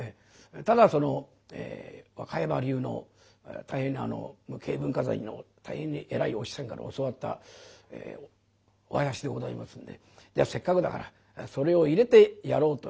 ただ若山流の大変に無形文化財の大変に偉いお師匠さんから教わったお囃子でございますんでじゃあせっかくだからそれを入れてやろうというこういうわけで。